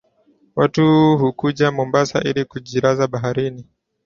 Watu hukuja mombasa ili kujilaza baharini